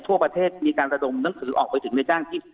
ทั่วประเทศมีการระดมหนังสือออกไปถึงในจ้างที่